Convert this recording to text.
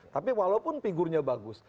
tapi walaupun figurnya bagus